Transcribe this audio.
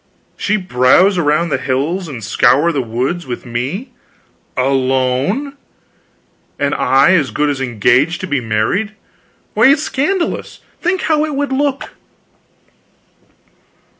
She browse around the hills and scour the woods with me alone and I as good as engaged to be married? Why, it's scandalous. Think how it would look."